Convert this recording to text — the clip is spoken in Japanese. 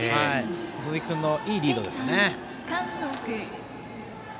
鈴木君のいいリードですね。